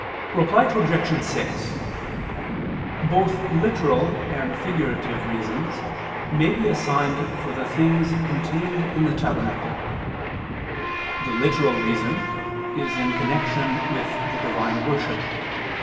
Reply Obj. 6: Both literal and figurative reasons may be assigned for the things contained in the tabernacle. The literal reason is in connection with the divine worship.